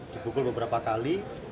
dibukul beberapa kali